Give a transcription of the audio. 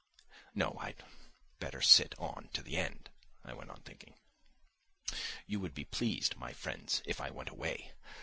"No, I'd better sit on to the end," I went on thinking; "you would be pleased, my friends, if I went away.